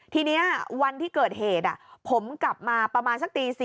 ทีนี้วันที่เกิดเหตุผมกลับมาประมาณสักตี๔